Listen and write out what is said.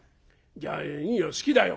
じゃあいいよ好きだよ！」。